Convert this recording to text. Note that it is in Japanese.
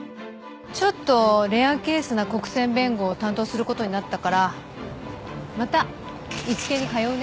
ちょっとレアケースな国選弁護を担当することになったからまたイチケイに通うね。